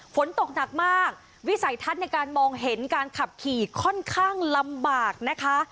ฝนตกหนักมากวิสัยทัศน์ในการมองเห็นการขับขี่ค่อนข้างลำบากนะคะ